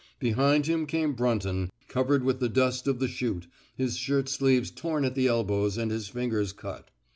Behind him came Brunton, covered with the diist of the chute, his shirt sleeves torn at the elbows and his fingers cut.